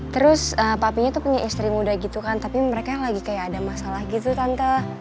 terus papinya tuh punya istri muda gitu kan tapi mereka lagi kayak ada masalah gitu kan kak